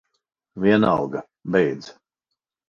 Vienalga. Beidz.